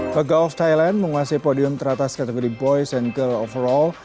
pegawai thailand menguasai podium teratas kategori boys and girls overall